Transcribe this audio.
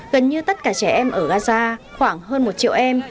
gần như tất cả trẻ em ở gaza khoảng hơn một triệu em